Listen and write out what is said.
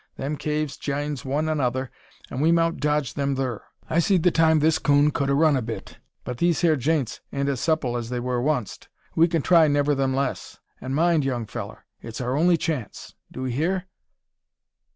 Them caves jines one another, an' we mout dodge them thur. I seed the time this 'coon kud 'a run a bit, but these hyur jeints ain't as soople as they wur oncest. We kin try neverthemless; an' mind, young fellur, it's our only chance: do 'ee hear?"